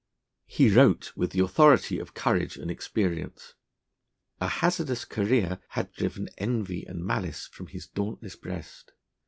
He wrote with the authority of courage and experience. A hazardous career had driven envy and malice from his dauntless breast.